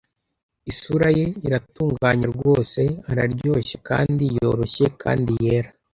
Isura ye, iratunganye rwose, araryoshye kandi yoroshye kandi yera.